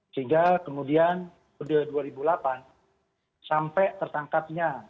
sehingga kemudian dua ribu delapan sampai tertangkapnya